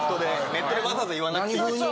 ネットでわざわざ言わなくていいのに。